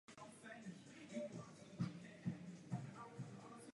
Druhá otázka obdržela ve všech městských částech nižší podíl hlasů „ano“ než první.